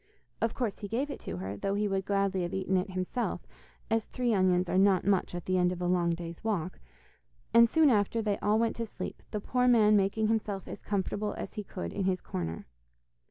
Of course he gave it to her, though he would gladly have eaten it himself, as three onions are not much at the end of a long day's walk, and soon after they all went to sleep, the poor man making himself as comfortable as he could in his corner.